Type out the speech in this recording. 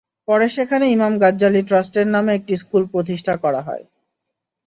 পরে সেখানে Imam Ghazali ট্রাস্টের নামে একটি স্কুল প্রতিষ্ঠা করা হয়।